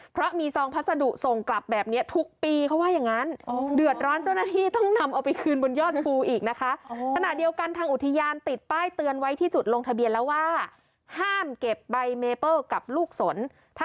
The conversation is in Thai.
เพราะมีทรองพัสดุส่งกลับแบบนี้ทุกปีเขาว่าอย่างนั้น